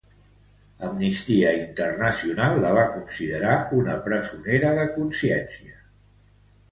Amnistia Internacional la va considerar una presonera de consciència.